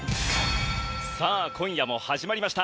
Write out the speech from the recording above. さあ今夜も始まりました。